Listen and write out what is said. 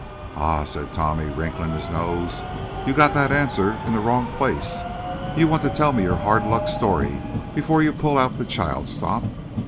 "Ah," said Tommy, wrinkling his nose, "you got that answer in the wrong place. You want to tell your hard luck story before you pull out the child stop."